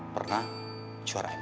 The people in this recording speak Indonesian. pertama suara mn